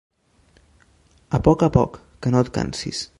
A poc a poc, que no et cansis.